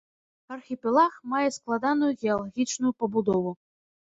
Архіпелаг мае складаную геалагічную пабудову.